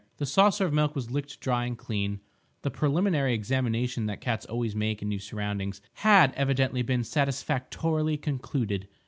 The saucer of milk was licked dry and clean; the preliminary examination that cats always make in new surroundings had evidently been satisfactorily concluded.